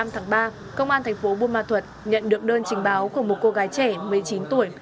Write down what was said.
trước đó chiều ngày một mươi năm tháng ba công an thành phố bô mo thuật nhận được đơn trình báo của một cô gái trẻ một mươi chín tuổi